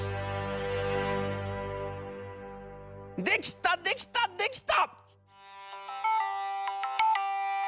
「『できたできたできた！』」。